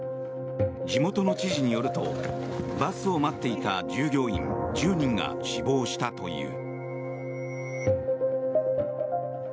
地元の知事によるとバスを待っていた従業員１０人が死亡したという。